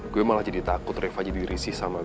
gue malah jadi takut reva jadi risih sama